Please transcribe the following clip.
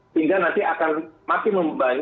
sehingga nanti akan makin membebani